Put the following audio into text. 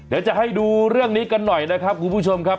เดี๋ยวจะให้ดูเรื่องนี้กันหน่อยนะครับคุณผู้ชมครับ